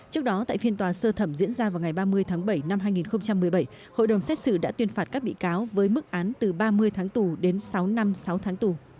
trước đó tại phiên tòa sơ thẩm diễn ra vào ngày ba mươi tháng bảy năm hai nghìn một mươi bảy hội đồng xét xử đã tuyên phạt các bị cáo với mức án từ ba mươi tháng tù đến sáu năm sáu tháng tù